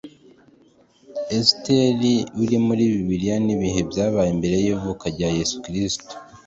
Esiteri uri muri Bibiliya ni ibihe byabaye mbere y'ivuka rya Yesu Kristo